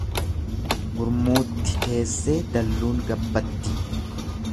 Gurmuutti teessee dalluun gabbatti.